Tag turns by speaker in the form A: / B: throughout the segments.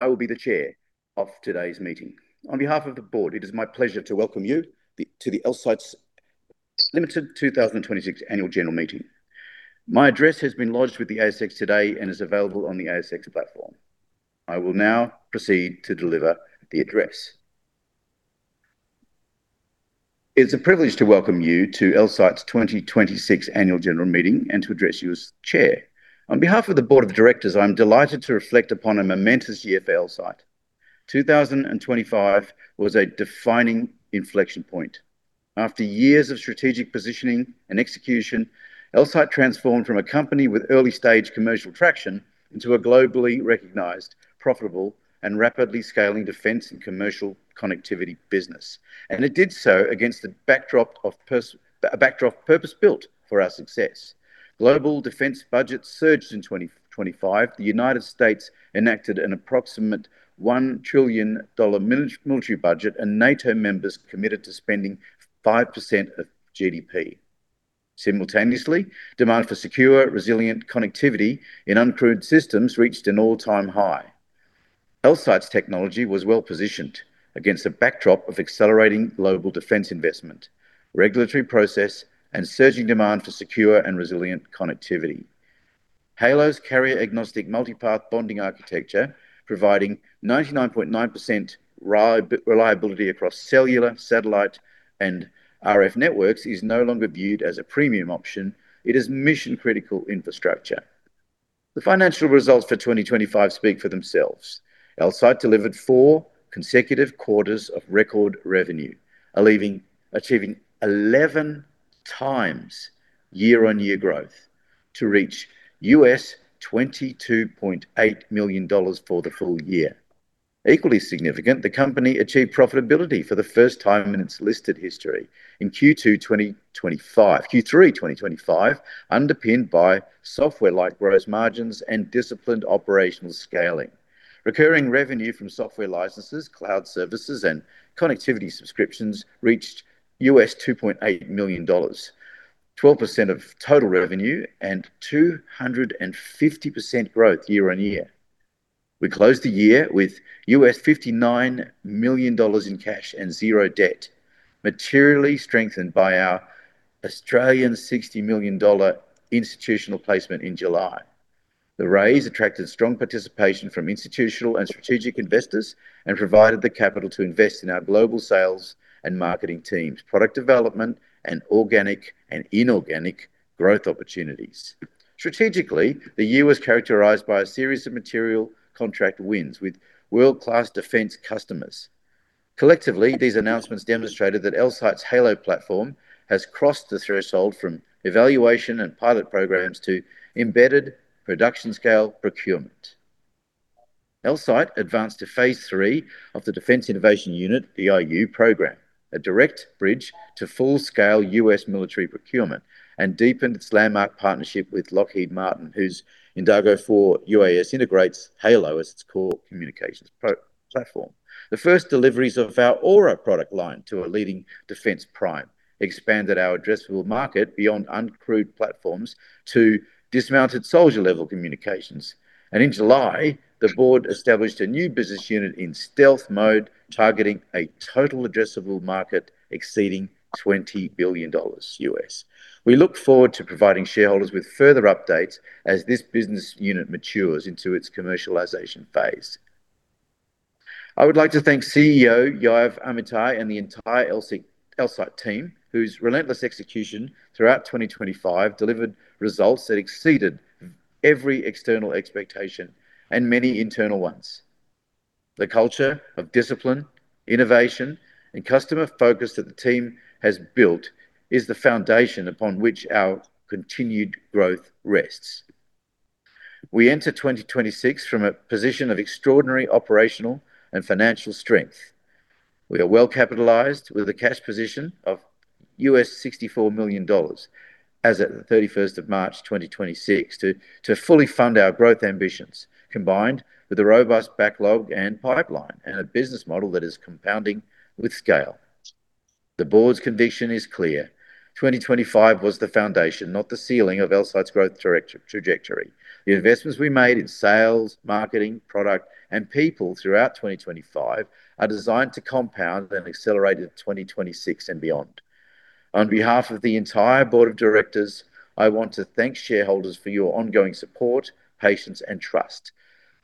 A: I will be the chair of today's meeting. On behalf of the board, it is my pleasure to welcome you to the Elsight Ltd 2026 Annual General Meeting. My address has been lodged with the ASX today and is available on the ASX platform. I will now proceed to deliver the address. It's a privilege to welcome you to Elsight's 2026 Annual General Meeting and to address you as chair. On behalf of the board of directors, I'm delighted to reflect upon a momentous year for Elsight. 2025 was a defining inflection point. After years of strategic positioning and execution, Elsight transformed from a company with early-stage commercial traction into a globally recognized, profitable, and rapidly scaling defense and commercial connectivity business. It did so against a backdrop purpose-built for our success. Global defense budgets surged in 2025. The United States enacted an approximate $1 trillion military budget, and NATO members committed to spending 5% of GDP. Simultaneously, demand for secure, resilient connectivity in uncrewed systems reached an all-time high. Elsight's technology was well-positioned against a backdrop of accelerating global defense investment, regulatory process, and surging demand for secure and resilient connectivity. Halo's carrier-agnostic multipath bonding architecture, providing 99.9% reliability across cellular, satellite, and RF networks, is no longer viewed as a premium option. It is mission-critical infrastructure. The financial results for 2025 speak for themselves. Elsight delivered four consecutive quarters of record revenue, achieving 11x year-on-year growth to reach $22.8 million for the full year. Equally significant, the company achieved profitability for the first time in its listed history in Q3 2025, underpinned by software-like gross margins and disciplined operational scaling. Recurring revenue from software licenses, cloud services, and connectivity subscriptions reached $2.8 million, 12% of total revenue and 250% growth year-over-year. We closed the year with $59 million in cash and zero debt, materially strengthened by our 60 million Australian dollars institutional placement in July. The raise attracted strong participation from institutional and strategic investors and provided the capital to invest in our global sales and marketing teams, product development, and organic and inorganic growth opportunities. Strategically, the year was characterized by a series of material contract wins with world-class defense customers. Collectively, these announcements demonstrated that Elsight's Halo platform has crossed the threshold from evaluation and pilot programs to embedded production scale procurement. Elsight advanced to phase III of the Defense Innovation Unit, DIU program, a direct bridge to full-scale U.S. military procurement, and deepened its landmark partnership with Lockheed Martin, whose Indago 4 UAS integrates Halo as its core communications platform. The first deliveries of our Aura product line to a leading defense prime expanded our addressable market beyond uncrewed platforms to dismounted soldier-level communications. In July, the board established a new business unit in stealth mode, targeting a total addressable market exceeding $20 billion. We look forward to providing shareholders with further updates as this business unit matures into its commercialization phase. I would like to thank CEO Yoav Amitai and the entire Elsight team, whose relentless execution throughout 2025 delivered results that exceeded every external expectation and many internal ones. The culture of discipline, innovation, and customer focus that the team has built is the foundation upon which our continued growth rests. We enter 2026 from a position of extraordinary operational and financial strength. We are well capitalized with a cash position of $64 million as at the 31st of March 2026 to fully fund our growth ambitions, combined with a robust backlog and pipeline and a business model that is compounding with scale. The board's conviction is clear. 2025 was the foundation, not the ceiling, of Elsight's growth trajectory. The investments we made in sales, marketing, product, and people throughout 2025 are designed to compound and accelerate in 2026 and beyond. On behalf of the entire board of directors, I want to thank shareholders for your ongoing support, patience, and trust.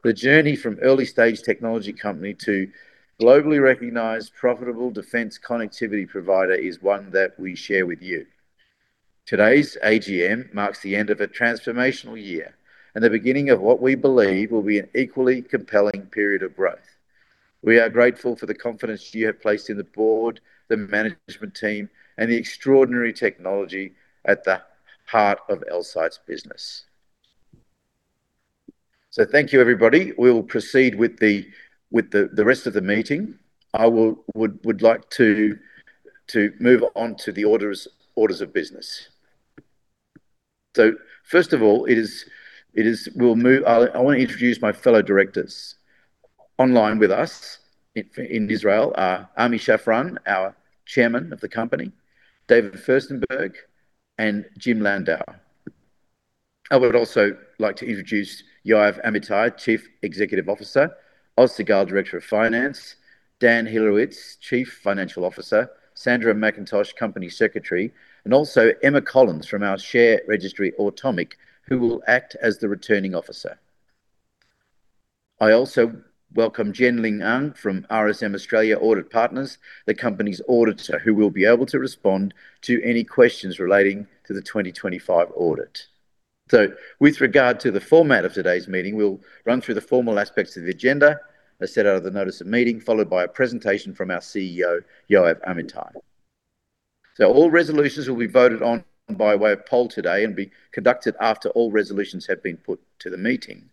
A: The journey from early-stage technology company to globally recognized profitable defense connectivity provider is one that we share with you. Today's AGM marks the end of a transformational year and the beginning of what we believe will be an equally compelling period of growth. We are grateful for the confidence you have placed in the board, the management team, and the extraordinary technology at the heart of Elsight's business. Thank you, everybody. We will proceed with the rest of the meeting. I would like to move on to the orders of business. First of all, I want to introduce my fellow directors. Online with us in Israel are Ami Shafran, our Chairman of the company, David Furstenberg, and Jim Landau. I would also like to introduce Yoav Amitai, Chief Executive Officer, Oz Segal, Director of Finance, Dan Hilerowitz, Chief Financial Officer, Sandra McIntosh, Company Secretary, and also Emma Collins from our share registry, Automic, who will act as the Returning Officer. I also welcome Jen Ling Ung from RSM Australia Audit Partners, the company's auditor, who will be able to respond to any questions relating to the 2025 audit. With regard to the format of today's meeting, we'll run through the formal aspects of the agenda as set out of the notice of meeting, followed by a presentation from our CEO, Yoav Amitai. All resolutions will be voted on by way of poll today and be conducted after all resolutions have been put to the meeting.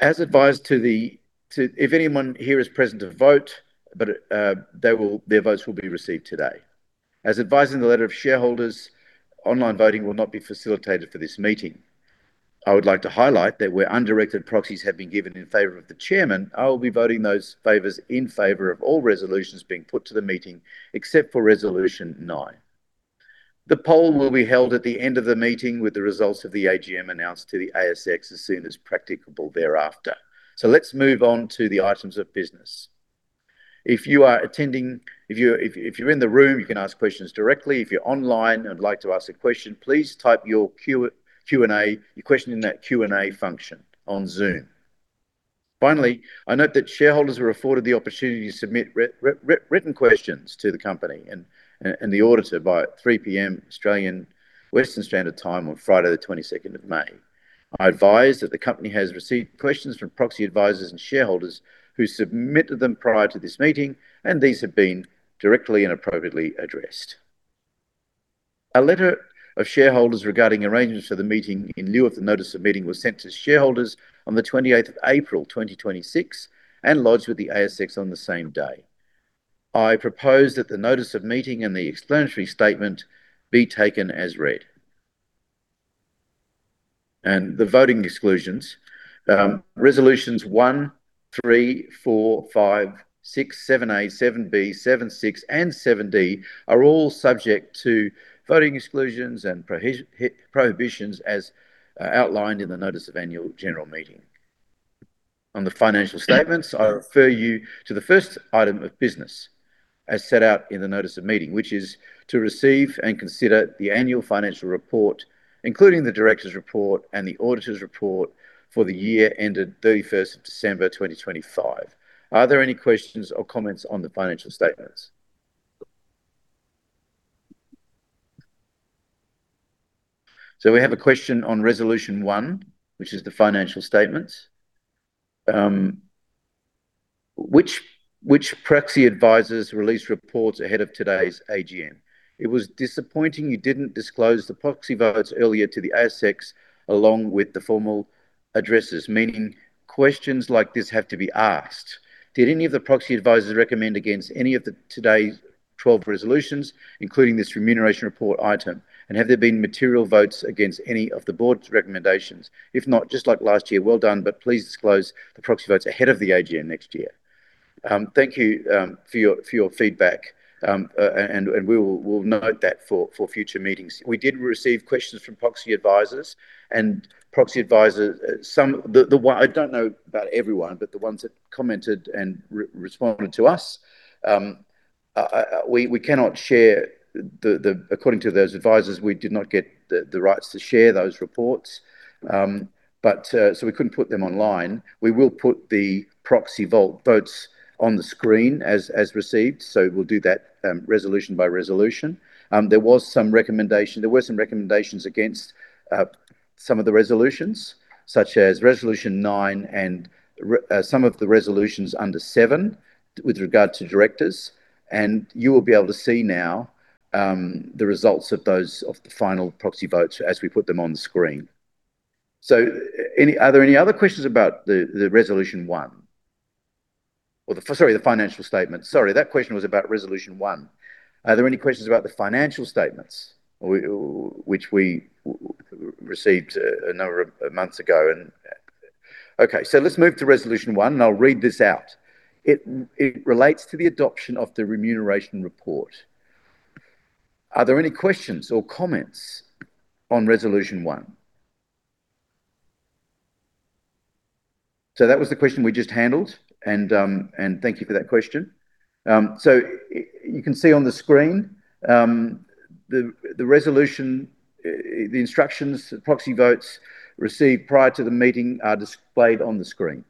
A: If anyone here is present to vote, but their votes will be received today. As advised in the letter of shareholders, online voting will not be facilitated for this meeting. I would like to highlight that where undirected proxies have been given in favor of the Chairman, I will be voting those favors in favor of all resolutions being put to the meeting, except for Resolution 9. The poll will be held at the end of the meeting with the results of the AGM announced to the ASX as soon as practicable thereafter. Let's move on to the items of business. If you are attending, if you're in the room, you can ask questions directly. If you're online and would like to ask a question, please type your Q&A, your question in that Q&A function on Zoom. Finally, I note that shareholders are afforded the opportunity to submit written questions to the company and the auditor by 3:00 P.M. Australian Western Standard Time on Friday, the 22nd of May. I advise that the company has received questions from proxy advisors and shareholders who submitted them prior to this meeting, and these have been directly and appropriately addressed. A letter of shareholders regarding arrangements for the meeting in lieu of the notice of meeting was sent to shareholders on the 28th of April, 2026, and lodged with the ASX on the same day. I propose that the notice of meeting and the explanatory statement be taken as read. The voting exclusions. Resolutions 1, 3, 4, 5, 6, 7A, 7B, 7C, and 7D are all subject to voting exclusions and prohibitions as outlined in the notice of annual general meeting. On the financial statements, I refer you to the first item of business as set out in the notice of meeting, which is to receive and consider the annual financial report, including the director's report and the auditor's report for the year ended 31st of December, 2025. Are there any questions or comments on the financial statements? We have a question on Resolution 1, which is the financial statements. Which proxy advisors released reports ahead of today's AGM? It was disappointing you didn't disclose the proxy votes earlier to the ASX along with the formal addresses, meaning questions like this have to be asked. Did any of the proxy advisors recommend against any of today's 12 resolutions, including this remuneration report item? Have there been material votes against any of the board's recommendations? If not, just like last year, well done. Please disclose the proxy votes ahead of the AGM next year. Thank you for your feedback. We will note that for future meetings. We did receive questions from proxy advisors. Proxy advisors. I don't know about everyone, but the ones that commented and responded to us. According to those advisors, we did not get the rights to share those reports, so we couldn't put them online. We will put the proxy vault votes on the screen as received. We'll do that resolution by resolution. There were some recommendations against some of the resolutions, such as Resolution 9 and some of the resolutions under seven with regard to directors. You will be able to see now the results of the final proxy votes as we put them on the screen. Are there any other questions about Resolution 1? The financial statement. Sorry, that question was about Resolution 1. Are there any questions about the financial statements, which we received a number of months ago? Okay, let's move to Resolution 1, and I'll read this out. It relates to the adoption of the Remuneration Report. Are there any questions or comments on Resolution 1? That was the question we just handled, and thank you for that question. You can see on the screen, the resolution, the instructions, the proxy votes received prior to the meeting are displayed on the screen.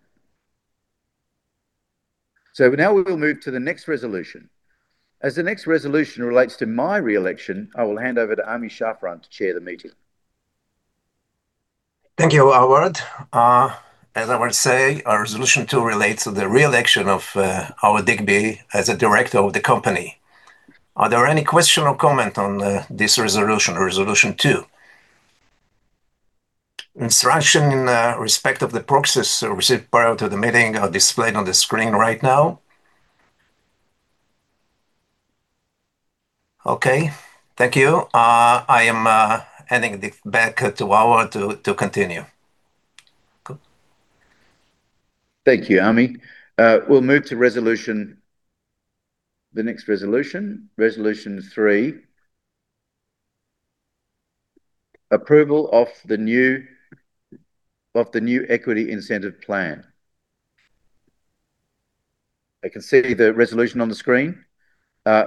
A: Now we will move to the next resolution. As the next resolution relates to my re-election, I will hand over to Ami Shafran to chair the meeting.
B: Thank you, Howard. As I will say, our Resolution 2 relates to the re-election of Howard Digby as a director of the company. Are there any question or comment on this resolution or Resolution 2? Instruction in respect of the proxies received prior to the meeting are displayed on the screen right now. Okay. Thank you. I am handing it back to Howard to continue. Cool.
A: Thank you, Ami. We'll move to the next resolution, Resolution 3, approval of the new equity incentive plan. You can see the resolution on the screen.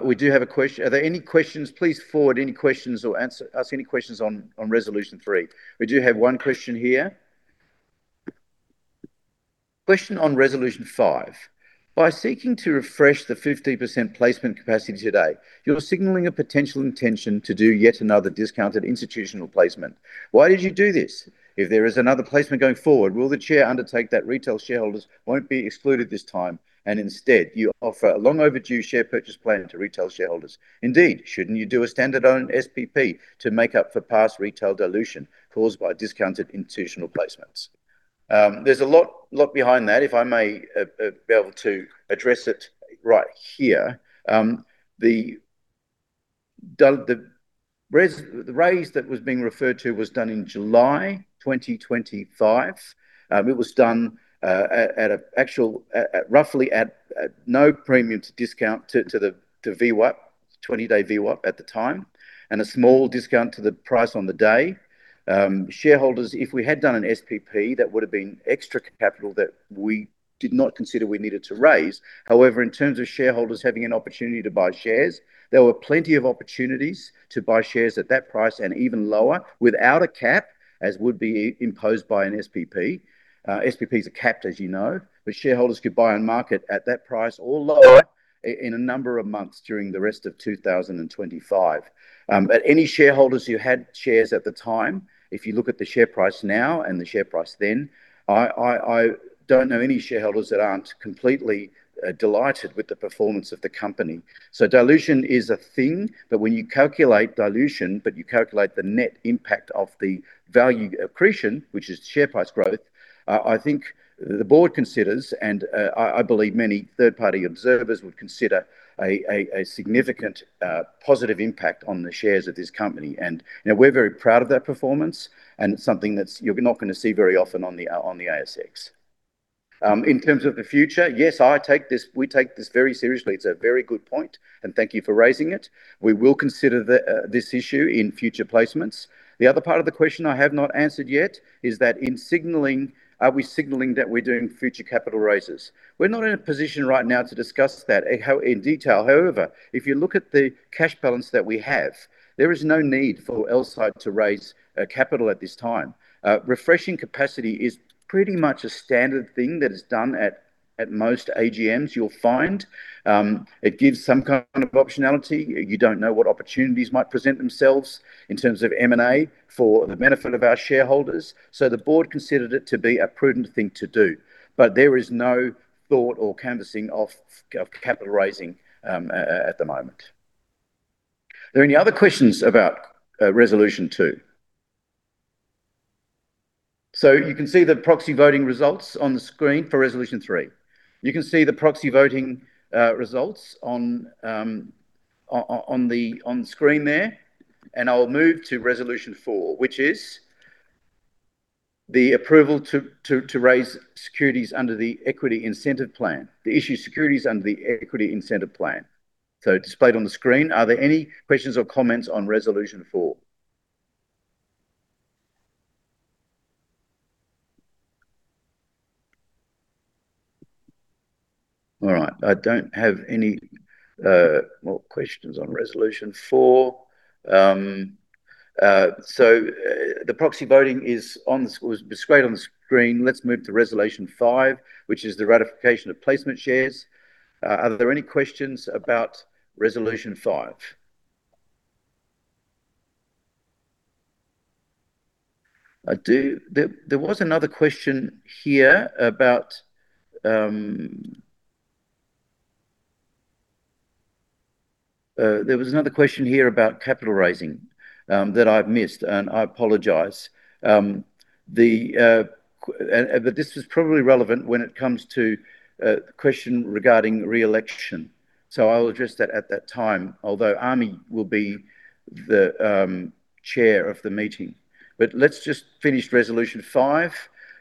A: We do have a question. Are there any questions? Please forward any questions or ask any questions on Resolution 3. We do have one question here. Question on Resolution 5. By seeking to refresh the 50% placement capacity today, you're signaling a potential intention to do yet another discounted institutional placement. Why did you do this? If there is another placement going forward, will the chair undertake that retail shareholders won't be excluded this time, and instead you offer a long overdue share purchase plan to retail shareholders? Indeed, shouldn't you do a stand-alone SPP to make up for past retail dilution caused by discounted institutional placements? There's a lot behind that. If I may be able to address it right here. The raise that was being referred to was done in July 2025. It was done at roughly no premium to discount to VWAP, 20-day VWAP at the time, and a small discount to the price on the day. Shareholders, if we had done an SPP, that would've been extra capital that we did not consider we needed to raise. However, in terms of shareholders having an opportunity to buy shares, there were plenty of opportunities to buy shares at that price and even lower without a cap, as would be imposed by an SPP. SPPs are capped, as you know, shareholders could buy on market at that price or lower in a number of months during the rest of 2025. Any shareholders who had shares at the time, if you look at the share price now and the share price then, I don't know any shareholders that aren't completely delighted with the performance of the company. Dilution is a thing, but when you calculate dilution, but you calculate the net impact of the value accretion, which is share price growth, I think the board considers and I believe many third-party observers would consider a significant positive impact on the shares of this company. We're very proud of that performance, and it's something that you're not going to see very often on the ASX. In terms of the future, yes, we take this very seriously. It's a very good point, and thank you for raising it. We will consider this issue in future placements. The other part of the question I have not answered yet is that in signaling, are we signaling that we're doing future capital raises? We're not in a position right now to discuss that in detail. If you look at the cash balance that we have, there is no need for Elsight to raise capital at this time. Refreshing capacity is pretty much a standard thing that is done at most AGMs you'll find. It gives some kind of optionality. You don't know what opportunities might present themselves in terms of M&A for the benefit of our shareholders. The board considered it to be a prudent thing to do. There is no thought or canvassing of capital raising at the moment. Are there any other questions about Resolution 2? You can see the proxy voting results on the screen for Resolution 3. You can see the proxy voting results on the screen there. I'll move to Resolution 4, which is the approval to raise securities under the equity incentive plan. The issued securities under the equity incentive plan. Displayed on the screen. Are there any questions or comments on Resolution 4? All right. I don't have any more questions on Resolution 4. The proxy voting is displayed on the screen. Let's move to Resolution 5, which is the ratification of placement shares. Are there any questions about Resolution 5? There was another question here about capital raising that I've missed, and I apologize. This is probably relevant when it comes to a question regarding reelection. I'll address that at that time, although Ami will be the chair of the meeting. Let's just finish Resolution 5,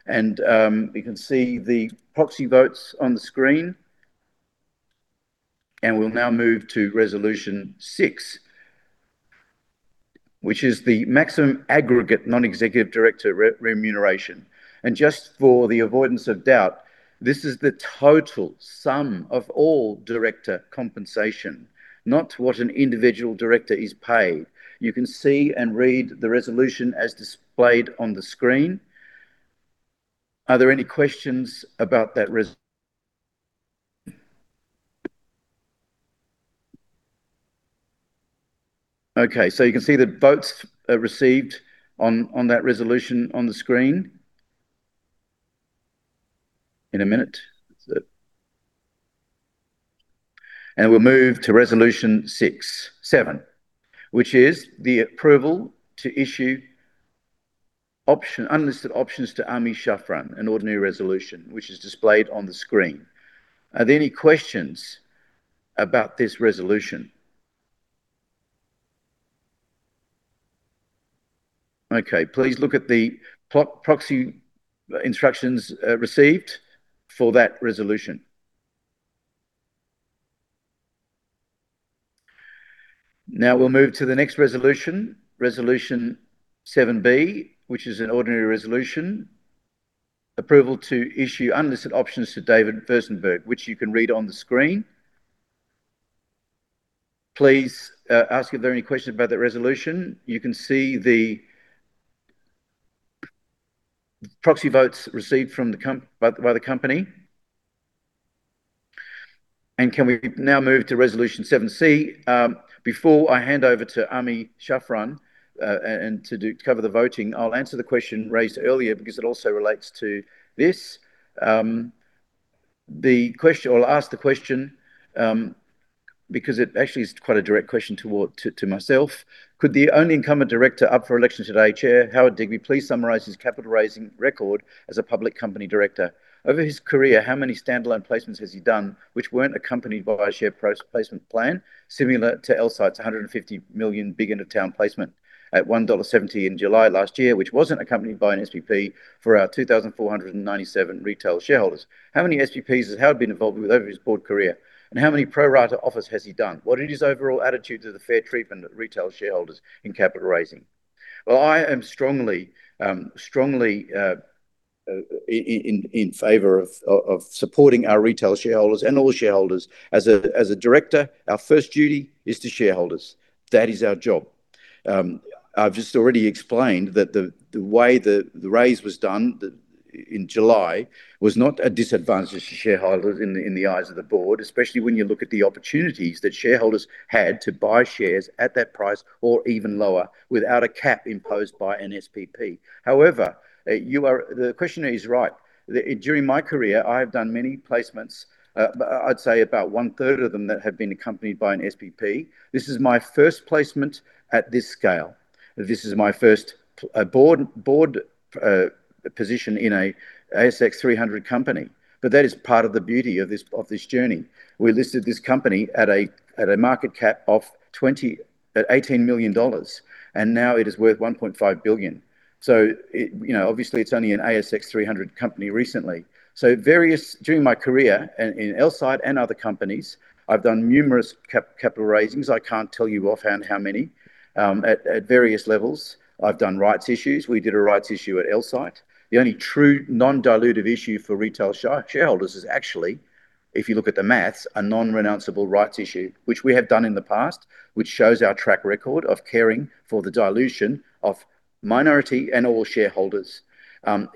A: and you can see the proxy votes on the screen. We'll now move to Resolution 6, which is the maximum aggregate non-executive director remuneration. Just for the avoidance of doubt, this is the total sum of all director compensation, not what an individual director is paid. You can see and read the resolution as displayed on the screen. Are there any questions about that? Okay, you can see the votes received on that resolution on the screen in a minute. We'll move to Resolution 7, which is the approval to issue unlisted options to Ami Shafran, an ordinary resolution, which is displayed on the screen. Are there any questions about this resolution? Okay. Please look at the proxy instructions received for that resolution. Now we'll move to the next resolution, Resolution 7B, which is an ordinary resolution. Approval to issue unlisted options to David Furstenberg, which you can read on the screen. Please ask if there are any questions about that resolution. You can see the proxy votes received by the company. Can we now move to Resolution 7C? Before I hand over to Ami Shafran to cover the voting, I'll answer the question raised earlier because it also relates to this. I'll ask the question because it actually is quite a direct question to myself. Could the only incumbent director up for election today, Chair Howard Digby, please summarize his capital raising record as a public company director? Over his career, how many standalone placements has he done, which weren't accompanied by a share placement plan similar to Elsight's $150 million big end of town placement at $1.70 in July last year, which wasn't accompanied by an SPP for our 2,497 retail shareholders. How many SPPs has Howard been involved with over his board career, and how many pro rata offers has he done? What is his overall attitude to the fair treatment of retail shareholders in capital raising? Well, I am strongly in favor of supporting our retail shareholders and all shareholders. As a director, our first duty is to shareholders. That is our job. I've just already explained that the way the raise was done in July was not a disadvantage to shareholders in the eyes of the board, especially when you look at the opportunities that shareholders had to buy shares at that price or even lower without a cap imposed by an SPP. However, the questioner is right. During my career, I have done many placements. I'd say about 1/3 of them that have been accompanied by an SPP. This is my first placement at this scale. This is my first board position in an ASX 300 company. That is part of the beauty of this journey. We listed this company at a market cap of $18 million. Now it is worth $1.5 billion. Obviously it's only an ASX 300 company recently. During my career in Elsight and other companies, I've done numerous capital raisings. I can't tell you offhand how many. At various levels, I've done rights issues. We did a rights issue at Elsight. The only true non-dilutive issue for retail shareholders is actually, if you look at the math, a non-renounceable rights issue, which we have done in the past, which shows our track record of caring for the dilution of minority and all shareholders.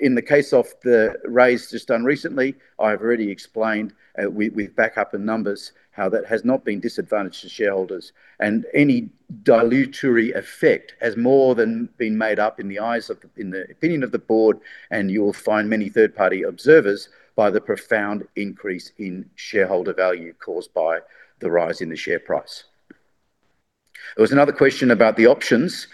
A: In the case of the raise just done recently, I've already explained with backup and numbers how that has not been disadvantage to shareholders, and any dilutory effect has more than been made up in the opinion of the board, and you'll find many third-party observers, by the profound increase in shareholder value caused by the rise in the share price. There was another question about the options.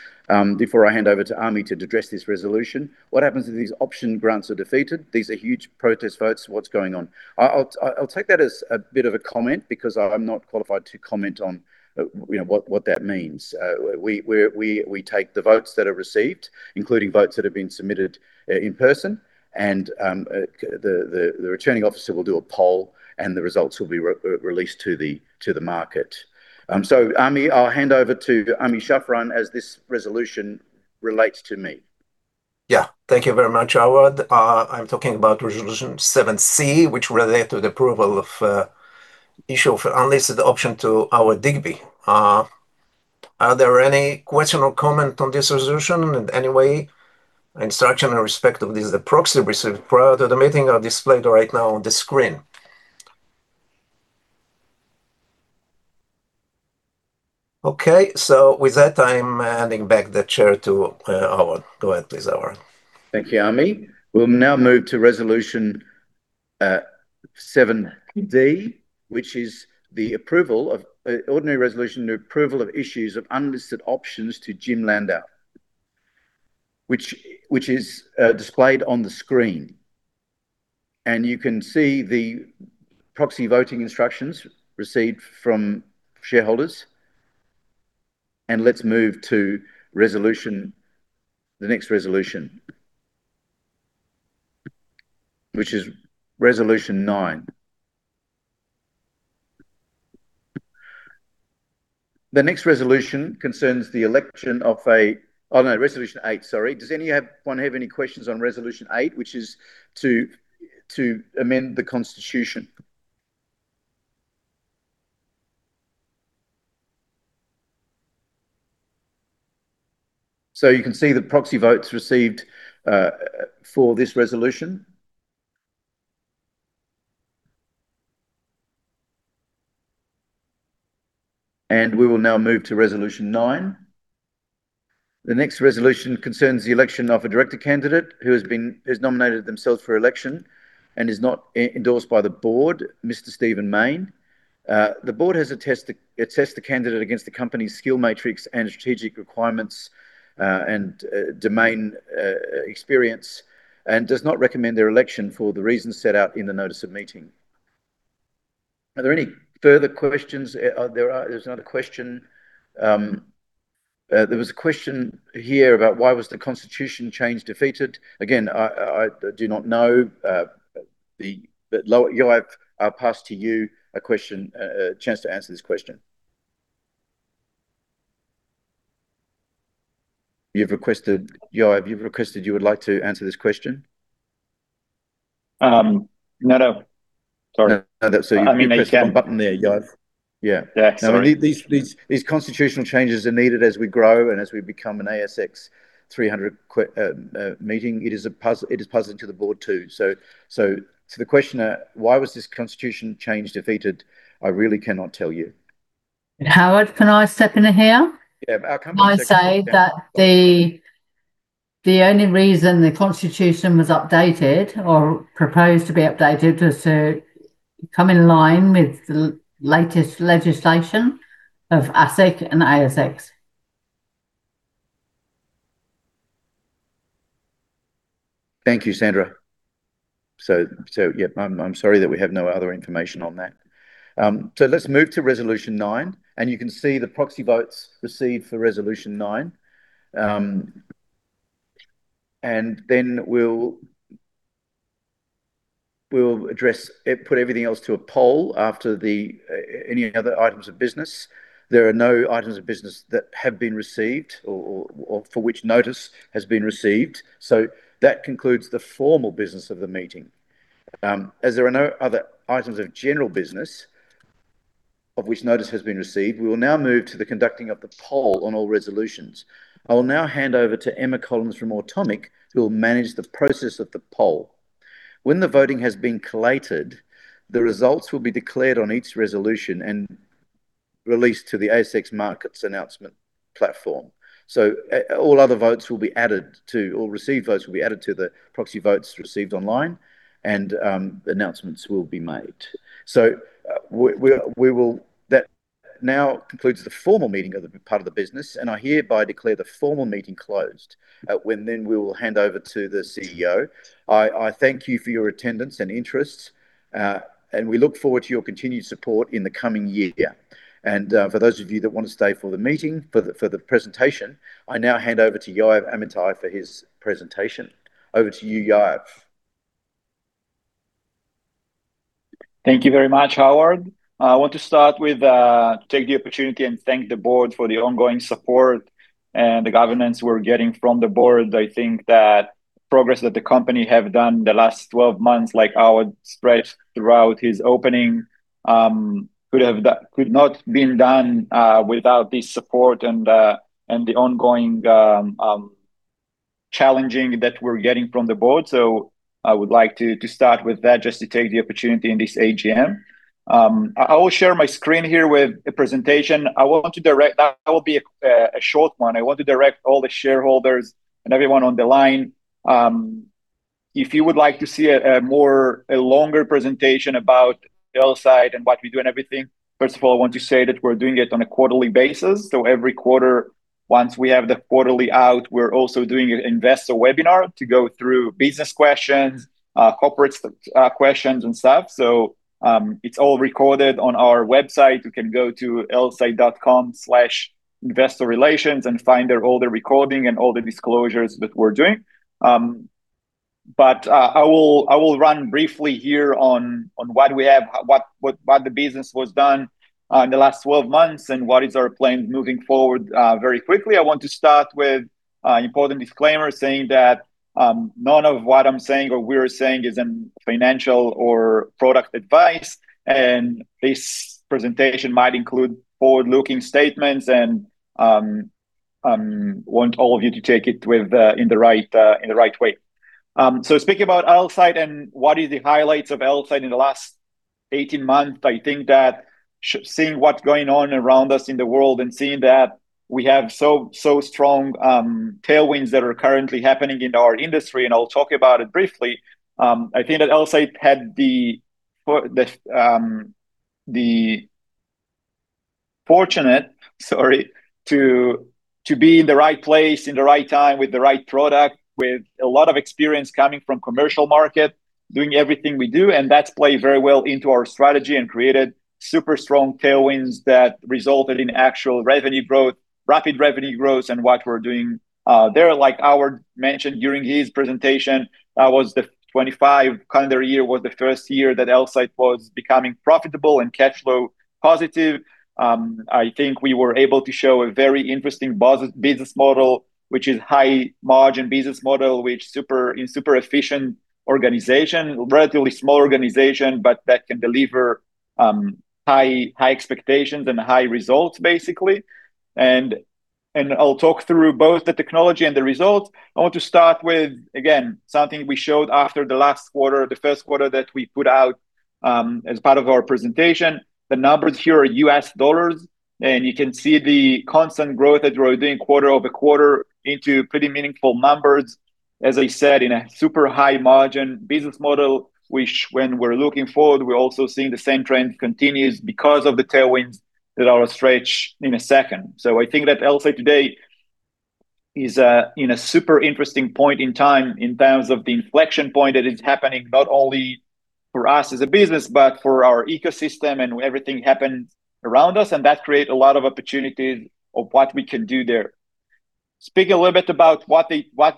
A: Before I hand over to Ami to address this resolution. What happens if these option grants are defeated? These are huge protest votes. What's going on? I'll take that as a bit of a comment because I'm not qualified to comment on what that means. We take the votes that are received, including votes that have been submitted in person. The returning officer will do a poll, and the results will be released to the market. Ami, I'll hand over to Ami Shafran as this resolution relates to me.
B: Yeah. Thank you very much, Howard. I'm talking about Resolution 7C, which relate to the approval of issue of unlisted option to Howard Digby. Are there any question or comment on this resolution in any way? Instruction in respect of this, the proxy received prior to the meeting are displayed right now on the screen. Okay. With that, I'm handing back the chair to Howard. Go ahead, please, Howard.
A: Thank you, Ami. We'll now move to Resolution 7D, which is the ordinary resolution and approval of issues of unlisted options to Jim Landau. Which is displayed on the screen. You can see the proxy voting instructions received from shareholders. Let's move to the next resolution, which is Resolution 9. The next resolution concerns the election of a. Resolution 8. Sorry. Does anyone have any questions on Resolution 8, which is to amend the constitution? You can see the proxy votes received for this resolution. We will now move to Resolution 9. The next resolution concerns the election of a director candidate who has nominated themselves for election and is not endorsed by the board, Mr. Stephen Mayne. The board has assessed the candidate against the company's skill matrix and strategic requirements, and domain experience, and does not recommend their election for the reasons set out in the notice of meeting. Are there any further questions? There's another question. There was a question here about why was the constitution change defeated? Again, I do not know. Yoav, I'll pass to you a chance to answer this question. Yoav, you've requested you would like to answer this question?
C: No. Sorry.
A: No.
C: I mean, I can.
A: Pressed the wrong button there, Yoav. Yeah.
C: Yeah. Sorry.
A: These constitutional changes are needed as we grow and as we become an ASX 300 member. It is a puzzle to the board too. To the questioner, why was this constitutional change defeated? I really cannot tell you.
D: Howard, can I step in here?
A: Yeah. Come in, Sandra.
D: I say that the only reason the constitution was updated or proposed to be updated was to come in line with the latest legislation of ASIC and ASX.
A: Thank you, Sandra. Yeah, I'm sorry that we have no other information on that. Let's move to Resolution 9, and you can see the proxy votes received for Resolution 9. Then we'll address, put everything else to a poll after any other items of business. There are no items of business that have been received or for which notice has been received. That concludes the formal business of the meeting. As there are no other items of general business of which notice has been received, we will now move to the conducting of the poll on all resolutions. I will now hand over to Emma Collins from Automic, who will manage the process of the poll. When the voting has been collated, the results will be declared on each resolution and released to the ASX markets announcement platform. All other votes will be added to, or received votes will be added to the proxy votes received online and announcements will be made. That now concludes the formal meeting of the part of the business, and I hereby declare the formal meeting closed. When then we will hand over to the CEO. I thank you for your attendance and interest. We look forward to your continued support in the coming year. For those of you that want to stay for the meeting, for the presentation, I now hand over to Yoav Amitai for his presentation. Over to you, Yoav.
C: Thank you very much, Howard. I want to start with take the opportunity and thank the board for the ongoing support and the governance we're getting from the board. I think that progress that the company have done the last 12 months, like Howard spread throughout his opening could not been done without this support and the ongoing challenging that we're getting from the board. I would like to start with that just to take the opportunity in this AGM. I will share my screen here with a presentation. That will be a short one. I want to direct all the shareholders and everyone on the line, if you would like to see a longer presentation about Elsight and what we do and everything, first of all, I want to say that we're doing it on a quarterly basis. Every quarter, once we have the quarterly out, we're also doing an investor webinar to go through business questions, corporate questions and stuff. It's all recorded on our website. You can go to elsight.com/investor-relations and find all the recording and all the disclosures that we're doing. I will run briefly here on what the business was done in the last 12 months and what is our plan moving forward. Very quickly, I want to start with an important disclaimer saying that none of what I'm saying or we're saying is financial or product advice. This presentation might include forward-looking statements and want all of you to take it in the right way. Speaking about Elsight and what is the highlights of Elsight in the last 18 months, I think that seeing what's going on around us in the world and seeing that we have so strong tailwinds that are currently happening in our industry, I'll talk about it briefly. I think that Elsight had the fortune to be in the right place in the right time with the right product, with a lot of experience coming from commercial market, doing everything we do. That's played very well into our strategy and created super strong tailwinds that resulted in actual revenue growth, rapid revenue growth, and what we're doing. There, like Howard mentioned during his presentation, was the 2025 calendar year was the first year that Elsight was becoming profitable and cash flow positive. I think we were able to show a very interesting business model, which is high-margin business model, which in super-efficient organization, relatively small organization, but that can deliver high expectations and high results, basically. I'll talk through both the technology and the results. I want to start with, again, something we showed after the last quarter, the first quarter that we put out as part of our presentation. The numbers here are U.S. dollars, and you can see the constant growth that we're doing quarter-over-quarter into pretty meaningful numbers. As I said, in a super high-margin business model, which when we're looking forward, we're also seeing the same trend continues because of the tailwinds that I will stretch in a second. I think that Elsight today is in a super interesting point in time in terms of the inflection point that is happening, not only for us as a business, but for our ecosystem and everything happening around us. That creates a lot of opportunities of what we can do there. Speak a little bit about what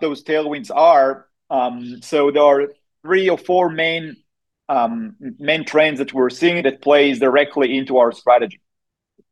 C: those tailwinds are. There are three or four main trends that we're seeing that plays directly into our strategy.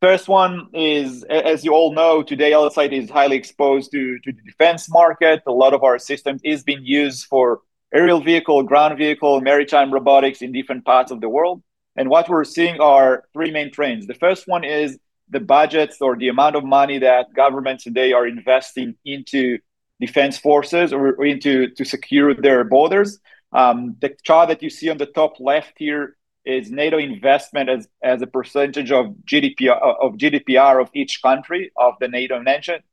C: First one is, as you all know, today, Elsight is highly exposed to the defense market. A lot of our system is being used for aerial vehicle, ground vehicle, maritime robotics in different parts of the world. What we're seeing are three main trends. The first one is the budgets or the amount of money that governments today are investing into defense forces or into secure their borders. The chart that you see on the top left here is NATO investment as a percentage of GDP of each country of the NATO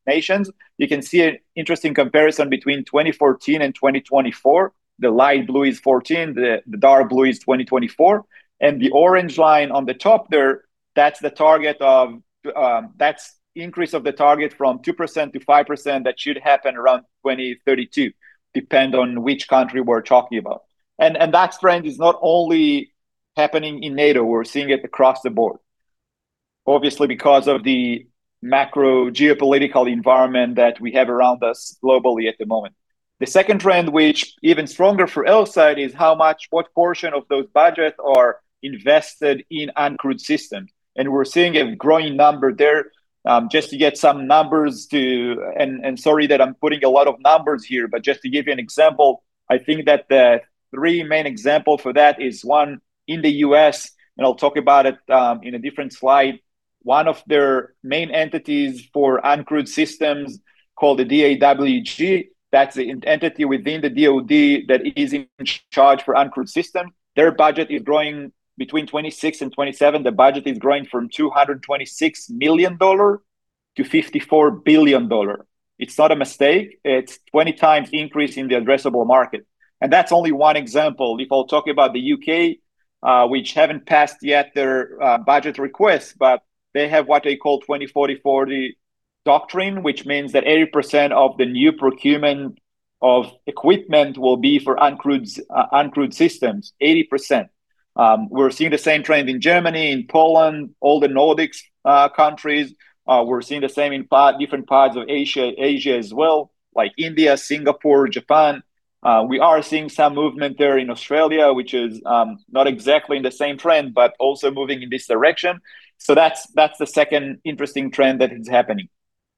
C: nations. You can see an interesting comparison between 2014 and 2024. The light blue is 2014, the dark blue is 2024, and the orange line on the top there, that's increase of the target from 2% to 5% that should happen around 2032, depend on which country we're talking about. That trend is not only happening in NATO. We're seeing it across the board, obviously because of the macro geopolitical environment that we have around us globally at the moment. The second trend, which even stronger for Elsight, is what portion of those budgets are invested in uncrewed systems. We're seeing a growing number there. Just to get some numbers to, sorry that I'm putting a lot of numbers here, just to give you an example, I think that the three main example for that is one in the U.S., I'll talk about it in a different slide. One of their main entities for uncrewed systems, called the DAWG. That's the entity within the DoD that is in charge for uncrewed system. Their budget is growing between 2026 and 2027. The budget is growing from $226 million to $54 billion. It's not a mistake. It's 20x increase in the addressable market, that's only one example. I'll talk about the U.K., which haven't passed yet their budget request, they have what they call 2040 doctrine, which means that 80% of the new procurement of equipment will be for uncrewed systems, 80%. We're seeing the same trend in Germany, in Poland, all the Nordic countries. We're seeing the same in different parts of Asia as well, like India, Singapore, Japan. We are seeing some movement there in Australia, which is not exactly in the same trend, but also moving in this direction. That's the second interesting trend that is happening.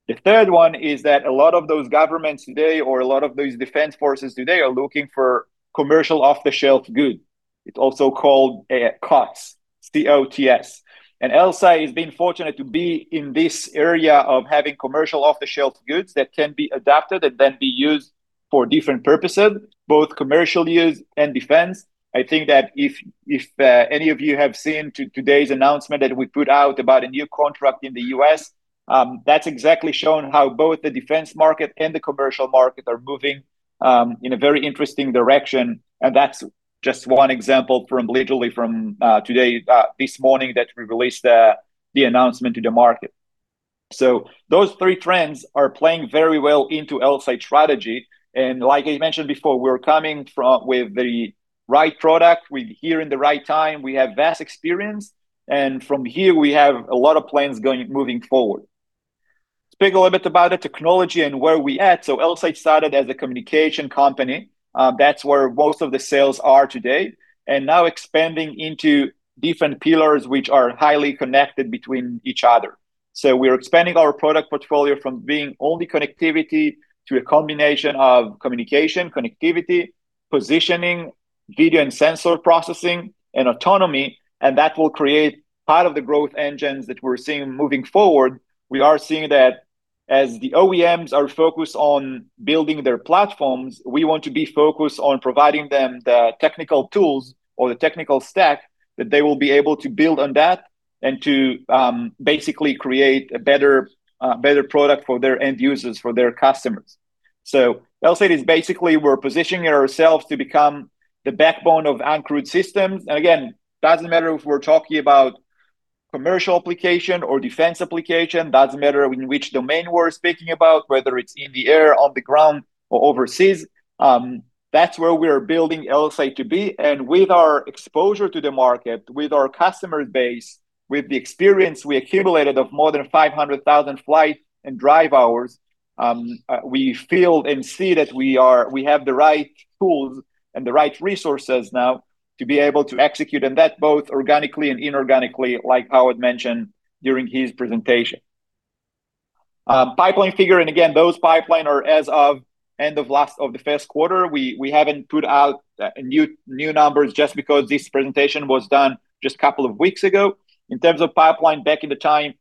C: The third one is that a lot of those governments today, or a lot of those defense forces today, are looking for commercial off-the-shelf good. It's also called COTS, C-O-T-S. Elsight has been fortunate to be in this area of having commercial off-the-shelf goods that can be adapted and then be used for different purposes, both commercial use and defense. I think that if any of you have seen today's announcement that we put out about a new contract in the U.S., that's exactly shown how both the defense market and the commercial market are moving in a very interesting direction, and that's just one example literally from today, this morning, that we released the announcement to the market. Those three trends are playing very well into Elsight strategy. Like I mentioned before, we're coming with the right product. We're here in the right time. We have vast experience, and from here we have a lot of plans moving forward. Speak a little bit about the technology and where we at. Elsight started as a communication company. That's where most of the sales are today, and now expanding into different pillars which are highly connected between each other. We are expanding our product portfolio from being only connectivity to a combination of communication, connectivity, positioning, video and sensor processing, and autonomy, and that will create part of the growth engines that we're seeing moving forward. We are seeing that as the OEMs are focused on building their platforms, we want to be focused on providing them the technical tools or the technical stack that they will be able to build on that and to basically create a better product for their end users, for their customers. We're positioning ourselves to become the backbone of uncrewed systems. Again, doesn't matter if we're talking about commercial application or defense application, doesn't matter in which domain we're speaking about, whether it's in the air, on the ground, or overseas. That's where we are building Elsight to be. With our exposure to the market, with our customer base, with the experience we accumulated of more than 500,000 flight and drive hours, we feel and see that we have the right tools and the right resources now to be able to execute on that, both organically and inorganically, like Howard mentioned during his presentation. Pipeline figure, and again, those pipeline are as of end of the first quarter. We haven't put out new numbers just because this presentation was done just couple of weeks ago. In terms of pipeline back in the time,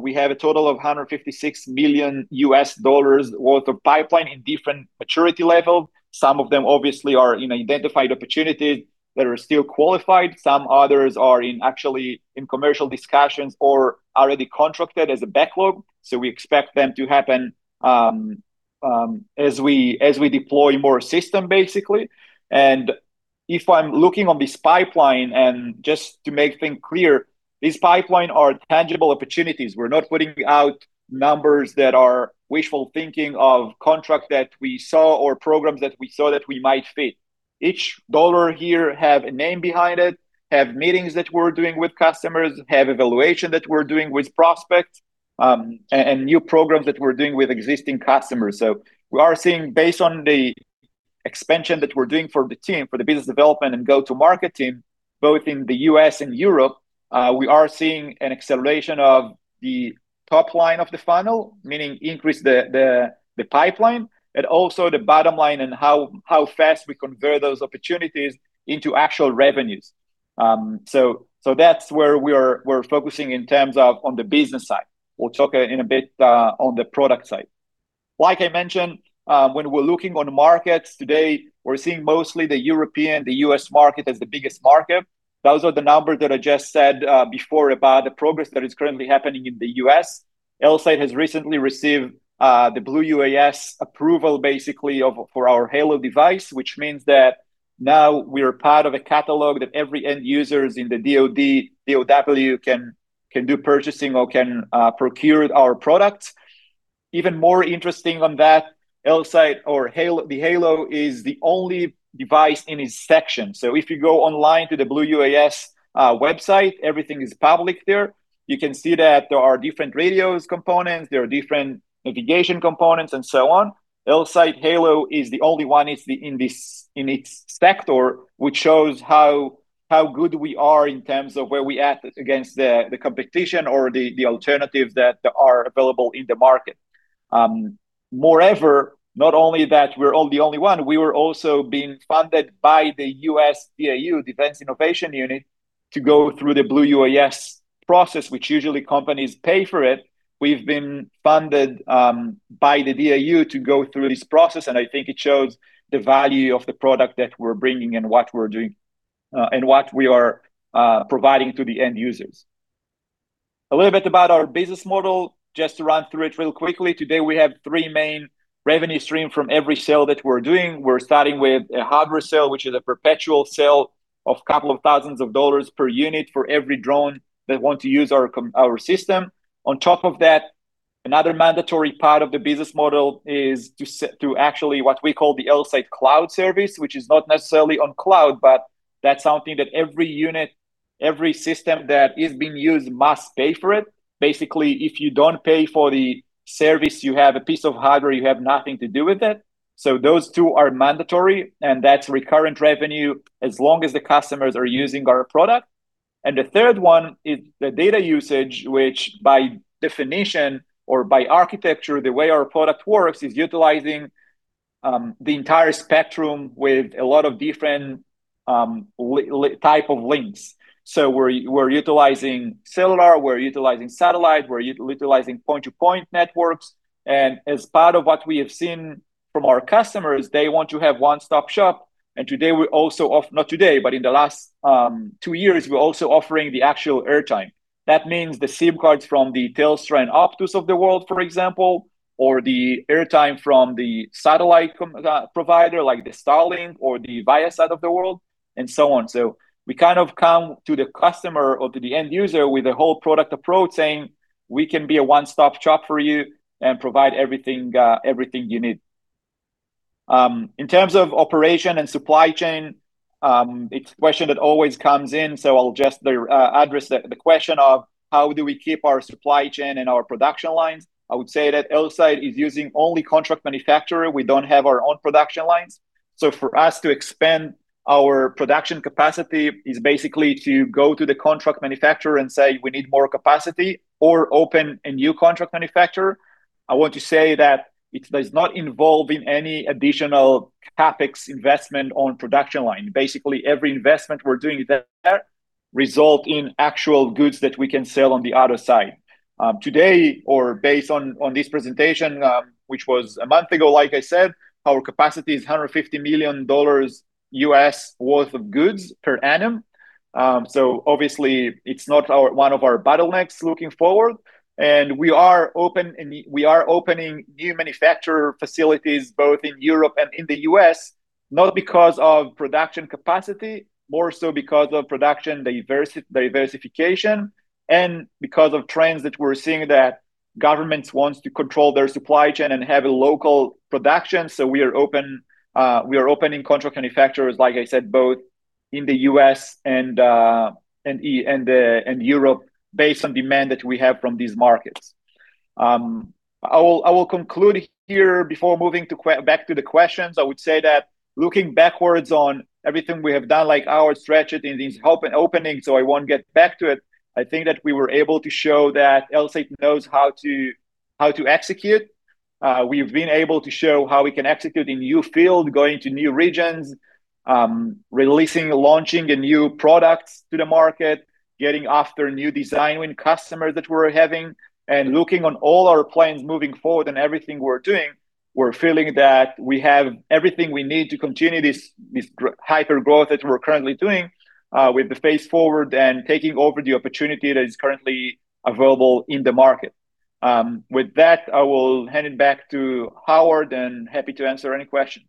C: we have a total of $156 million worth of pipeline in different maturity level. Some of them obviously are in identified opportunities that are still qualified. Some others are actually in commercial discussions or already contracted as a backlog. We expect them to happen as we deploy more system. If I'm looking on this pipeline, just to make things clear, this pipeline are tangible opportunities. We're not putting out numbers that are wishful thinking of contract that we saw or programs that we saw that we might fit. Each dollar here have a name behind it, have meetings that we're doing with customers, have evaluation that we're doing with prospects, and new programs that we're doing with existing customers. We are seeing, based on the expansion that we're doing for the team, for the business development and go-to-market team, both in the U.S. and Europe, we are seeing an acceleration of the top line of the funnel, meaning increase the pipeline, and also the bottom line on how fast we convert those opportunities into actual revenues. That's where we're focusing in terms of on the business side. We'll talk in a bit on the product side. Like I mentioned, when we're looking on markets today, we're seeing mostly the European, the U.S. market as the biggest market. Those are the numbers that I just said before about the progress that is currently happening in the U.S. Elsight has recently received the Blue UAS approval basically for our Halo device, which means that now we are part of a catalog that every end users in the DoD, DIU can do purchasing or can procure our products. Even more interesting on that, Elsight or the Halo is the only device in its section. If you go online to the Blue UAS website, everything is public there. You can see that there are different radios components, there are different navigation components and so on. Elsight Halo is the only one in its sector, which shows how good we at in terms of where we at against the competition or the alternatives that are available in the market. Not only that we're the only one, we were also being funded by the U.S. DIU, Defense Innovation Unit, to go through the Blue UAS process, which usually companies pay for it. We've been funded by the DIU to go through this process, I think it shows the value of the product that we're bringing and what we're doing, and what we are providing to the end users. A little bit about our business model, just to run through it real quickly. Today, we have three main revenue stream from every sale that we're doing. We're starting with a hardware sale, which is a perpetual sale of couple of thousands of dollars per unit for every drone that want to use our system. On top of that, another mandatory part of the business model is to actually what we call the Elsight Cloud service, which is not necessarily on cloud, but that's something that every unit, every system that is being used must pay for it. Basically, if you don't pay for the service, you have a piece of hardware, you have nothing to do with it. Those two are mandatory, and that's recurrent revenue as long as the customers are using our product. The third one is the data usage, which by definition or by architecture, the way our product works is utilizing the entire spectrum with a lot of different type of links. We're utilizing cellular, we're utilizing satellite, we're utilizing point-to-point networks. As part of what we have seen from our customers, they want to have one-stop shop. Not today, but in the last two years, we're also offering the actual airtime. That means the SIM cards from the Telstra and Optus of the world, for example, or the airtime from the satellite provider, like the Starlink or the Viasat of the world, and so on. We kind of come to the customer or to the end user with a whole product approach saying, "We can be a one-stop shop for you and provide everything you need." In terms of operation and supply chain, it's a question that always comes in, so I'll just address the question of how do we keep our supply chain and our production lines? I would say that Elsight is using only contract manufacturer. We don't have our own production lines. For us to expand our production capacity is basically to go to the contract manufacturer and say, "We need more capacity," or open a new contract manufacturer. I want to say that it does not involve in any additional CapEx investment on production line. Basically, every investment we're doing there result in actual goods that we can sell on the other side. Today, or based on this presentation, which was a month ago, like I said, our capacity is $150 million worth of goods per annum. Obviously it's not one of our bottlenecks looking forward. We are opening new manufacturer facilities both in Europe and in the U.S., not because of production capacity, more so because of production diversification and because of trends that we're seeing that governments want to control their supply chain and have a local production. We are opening contract manufacturers, like I said, both in the U.S. and Europe based on demand that we have from these markets. I will conclude here before moving back to the questions. I would say that looking backwards on everything we have done, like our strategy and these openings, so I won't get back to it. I think that we were able to show that Elsight knows how to execute. We've been able to show how we can execute in new field, going to new regions, releasing, launching a new products to the market, getting after new design win customer that we're having, and looking on all our plans moving forward and everything we're doing, we're feeling that we have everything we need to continue this hypergrowth that we're currently doing with the face forward and taking over the opportunity that is currently available in the market. With that, I will hand it back to Howard, and happy to answer any question.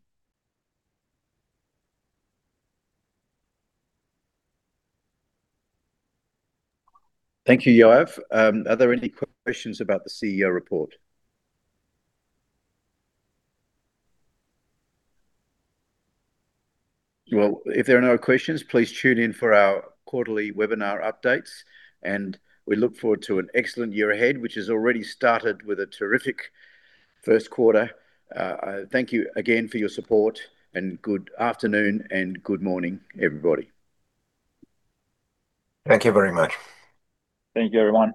A: Thank you, Yoav. Are there any questions about the CEO report? Well, if there are no questions, please tune in for our quarterly webinar updates, and we look forward to an excellent year ahead, which has already started with a terrific first quarter. Thank you again for your support, and good afternoon and good morning, everybody.
B: Thank you very much.
C: Thank you, everyone.